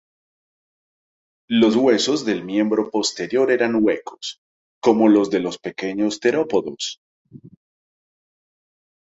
Los huesos del miembro posterior eran huecos, como los de los pequeños terópodos.